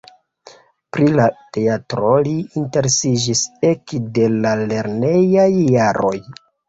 Pri la teatro li interesiĝis ekde la lernejaj jaroj.